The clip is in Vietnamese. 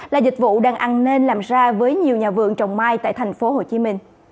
là dịch vụ đang ăn nên làm ra với nhiều nhà vườn trồng mai tại tp hcm